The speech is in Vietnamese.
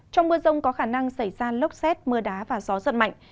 trong mưa rông có khả năng xảy ra lốc xét mưa đá và gió giật mạnh